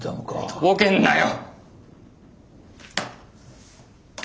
とぼけんなよ！